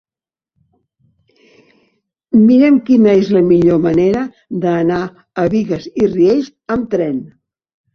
Mira'm quina és la millor manera d'anar a Bigues i Riells amb tren.